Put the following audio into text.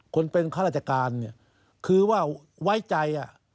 คนเป็นฆาตรราชการคือว่าไว้ใจ